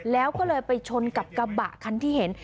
แล้วก็เลยไปชนกับกระบะคันที่เห็น